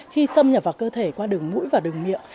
khi xâm nhập vào cơ thể qua đường mũi và đường niệm